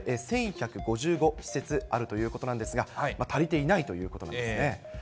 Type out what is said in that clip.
これ、１１５５施設あるということなんですが、足りていないということなんですね。